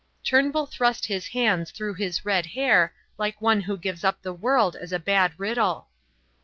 Turnbull thrust his hands through his red hair like one who gives up the world as a bad riddle.